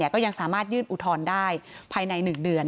ก็ยังสามารถยื่นอุทธรณ์ได้ภายใน๑เดือน